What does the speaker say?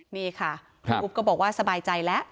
นี่ค่ะคุณอุ๊บก็บอกว่าสบายใจแล้ว